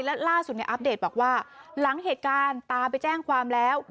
และล่าสุดในอัปเดตบอกว่าหลังเหตุการณ์ตาไปแจ้งความแล้ว